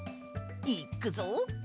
いっくぞ。